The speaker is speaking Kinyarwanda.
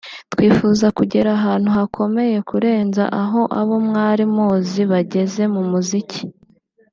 twifuza kugera ahantu hakomeye kurenza aho abo mwari muzi bageze mu muziki